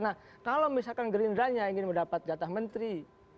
nah kalau misalkan gerindranya ingin mendapat jatah menteri